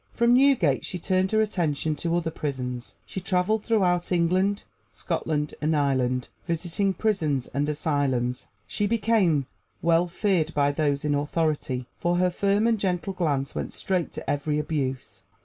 From Newgate she turned her attention to other prisons; she traveled throughout England, Scotland and Ireland, visiting prisons and asylums. She became well feared by those in authority, for her firm and gentle glance went straight to every abuse.